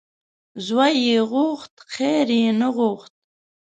زوی یې غوښت خیر یې نه غوښت .